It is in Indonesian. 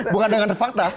bukan dengan fakta